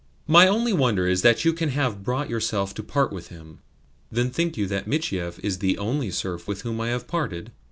"My only wonder is that you can have brought yourself to part with him." "Then think you that Michiev is the ONLY serf with whom I have parted?